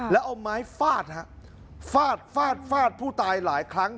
แล้วเอาไม้ฟาดฮะฟาดฟาดฟาดผู้ตายหลายครั้ง